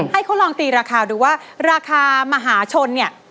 ให้เขาลองตีราคาดูว่าราคามหาชนเนี่ย